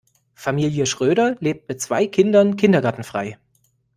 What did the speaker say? Familie Schröder lebt mit zwei Kindern kindergartenfrei.